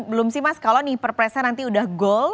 belum sih mas kalau nih perpresnya nanti udah goal